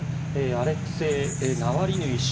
アレクセイ・ナワリヌイ氏。